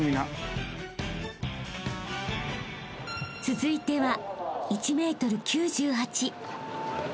［続いては１ｍ９８］